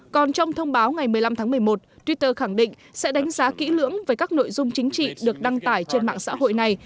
còn trong thông báo ngày một mươi năm tháng một mươi một twitter khẳng định sẽ đánh giá kỹ lưỡng về các nội dung chính trị được đăng tải trên mạng xã hội này